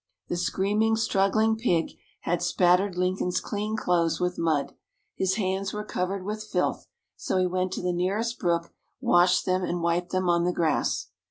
The screaming, struggling pig, had spattered Lincoln's clean clothes with mud. His hands were covered with filth; so he went to the nearest brook, washed them, and wiped them on the grass.